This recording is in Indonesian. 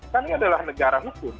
karena ini adalah negara hukum